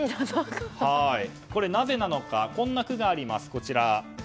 なぜなのかこんな句があります。